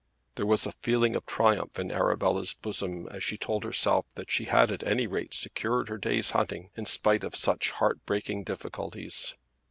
There was a feeling of triumph in Arabella's bosom as she told herself that she had at any rate secured her day's hunting in spite of such heart breaking difficulties.